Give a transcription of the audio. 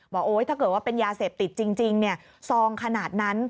โอ๊ยถ้าเกิดว่าเป็นยาเสพติดจริงซองขนาดนั้น